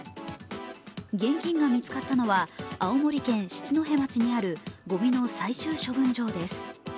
現金が見つかったのは青森県七戸町にあるごみの最終処分場です。